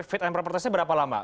fit and propertasenya berapa lama